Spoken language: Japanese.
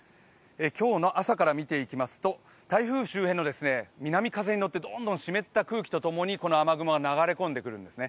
今日の朝から見ていきますと台風周辺の南風にのってどんどん湿った空気とともに、この雨雲は流れ込んでくるんですね。